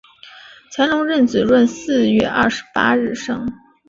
乾隆壬子闰四月二十八日生。